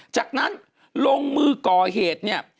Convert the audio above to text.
จากนั้นลงมือก่อเหตุเนี่ย